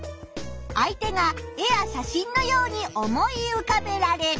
相手が絵や写真のように思い浮かべられる。